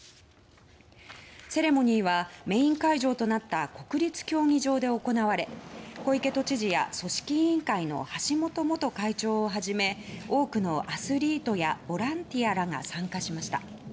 セレモニーはメイン会場となった国立競技場で行われ小池都知事や、組織委員会の橋本元会長をはじめ多くのアスリートやボランティアらが参加しました。